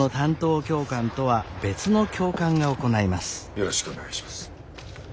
よろしくお願いします。